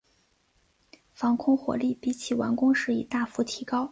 防空火力比起完工时已大幅提高。